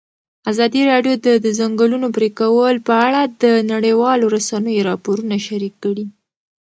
ازادي راډیو د د ځنګلونو پرېکول په اړه د نړیوالو رسنیو راپورونه شریک کړي.